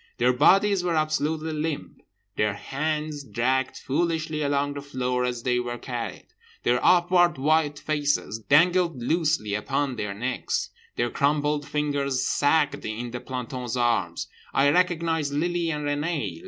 Their bodies were absolutely limp. Their hands dragged foolishly along the floor as they were carried. Their upward white faces dangled loosely upon their necks. Their crumpled fingers sagged in the planton's arms. I recognised Lily and Renée.